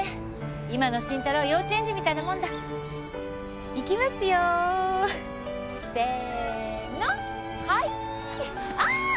今の慎太郎は幼稚園児みたいなもんだいきますよせーのはいあーっ！